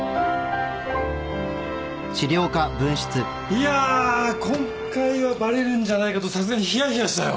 いや今回はバレるんじゃないかとさすがにひやひやしたよ。